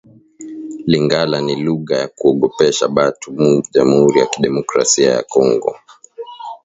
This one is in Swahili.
Lingala ni luga ya kuogopesha batu mu jamhuri ya kidemocrasia ya kongo